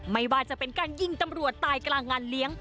ไม่ว่าจะเป็นการยิงตำรวจตายกลางงานเลี้ยง